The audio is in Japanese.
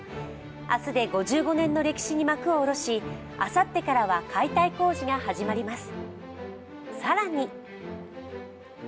明日で５５年の歴史に幕をおろしあさってからは解体工事が始まります。